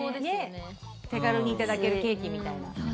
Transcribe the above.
手軽にいただけるケーキみたいな。